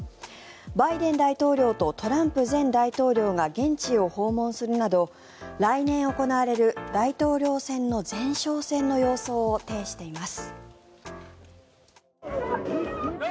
バイデン大統領とトランプ前大統領が現地を訪問するなど来年行われる大統領選の前哨戦の様相を呈しています。